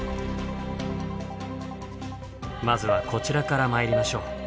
まずはこちらから参りましょう。